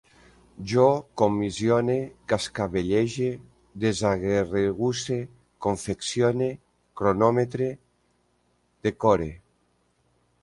Jo comissione, cascavellege, desarregusse, confeccione, cronometre, decore